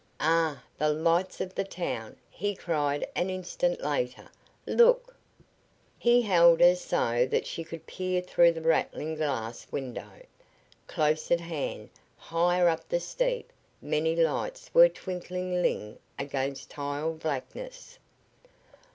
"Ah, the lights of the town!" he cried an instant later. "Look!" He held her so that she could peer through the rattling glass window. Close at hand, higher up the steep, many lights were twinkling against the blackness.